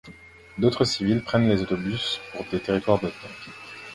D'autres civils prennent des autobus pour des territoires bosniaques.